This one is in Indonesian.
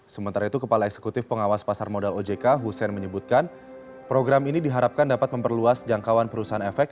sementara itu kepala eksekutif pengawas pasar modal ojk hussein menyebutkan program ini diharapkan dapat memperluas jangkauan perusahaan efek